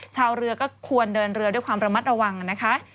ชาวเรือก็ควรเดินเรือด้วยความระมัดระวังนะคะ